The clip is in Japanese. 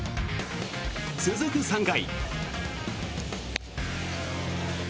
続く３回。